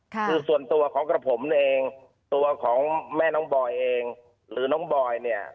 คือส่วนตัวของกระผมเองตัวของแม่น้องบอยเองหรือน้องบอยเนี่ย